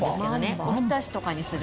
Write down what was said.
おひたしとかにする。